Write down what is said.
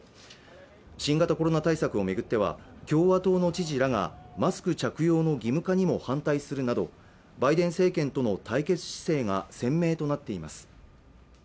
新型コロナ対策を巡っては共和党の知事らがマスク着用の義務化にも反対するなどバイデン政権との対決姿勢が鮮明となっています